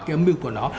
cái âm mưu của nó